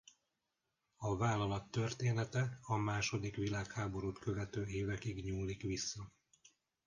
A vállalat története a második világháborút követő évekig nyúlik vissza.